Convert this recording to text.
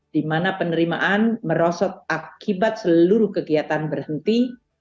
di mana penerimaan merosot akibat seluruh kegiatan berhenti